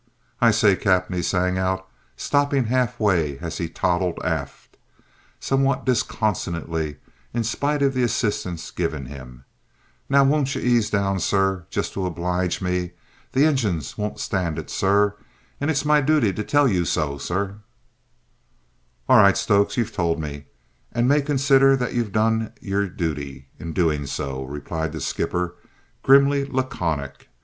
"I say, cap'en," he sang out, stopping half way as he toddled aft, somewhat disconsolately in spite of the assistance given him, "now won't you ease down, sir, just to oblige me? The engines won't stand it, sir; and it's my duty to tell you so, sir." "All right, Stokes; you've told me, and may consider that you've done your duty in doing so," replied the skipper, grimly laconic.